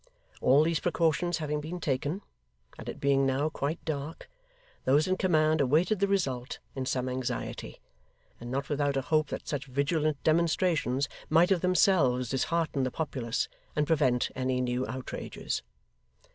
All these precautions having been taken, and it being now quite dark, those in command awaited the result in some anxiety: and not without a hope that such vigilant demonstrations might of themselves dishearten the populace, and prevent any new outrages.